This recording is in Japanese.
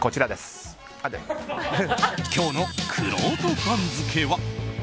今日のくろうと番付は。